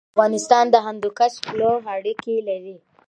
افغانستان د هندوکش پلوه اړیکې لري.